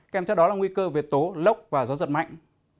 kèm theo đó là nguy cơ về tố lốc và gió giật mạnh